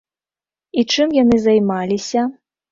І чым яны займаліся?